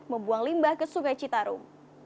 membuang limbah ke sukacitarum